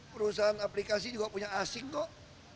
perusahaan aplikasi juga punya asing kok